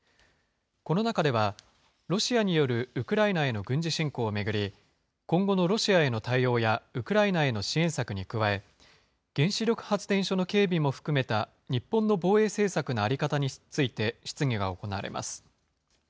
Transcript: この中では、ロシアによるウクライナへの軍事侵攻を巡り、今後のロシアへの対応やウクライナへの支援策に加え、原子力発電所の警備も含めた日本の防衛政策の在り方について質疑が行われます。